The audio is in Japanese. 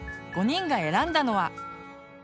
５人が選んだのは？